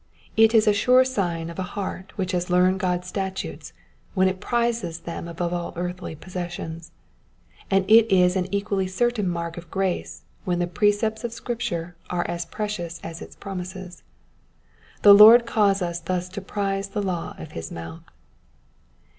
It is a sure sign of a heart which has learned God's statutes when it prizes them above all earthly possessions ; and it is an equally certain mark of grace when the precepts of Bcripture are as precious as its promises. The Lord cause us thus to prize the law of his mouth.